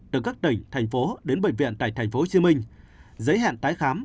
từ các tỉnh thành phố đến bệnh viện tại tp hcm giấy hẹn tái khám